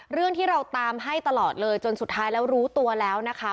เรื่องที่เราตามให้ตลอดเลยจนสุดท้ายแล้วรู้ตัวแล้วนะคะ